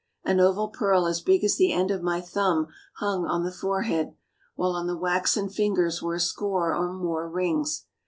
An oval pearl as big as the end of my thumb hung on the forehead, while on the waxen fingers were a score or more rings.